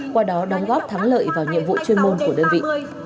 qua đó đóng góp thắng lợi vào nhiệm vụ chuyên môn của đơn vị